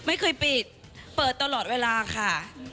ไม่เคยปิดเปิดตลอดเวลาค่ะ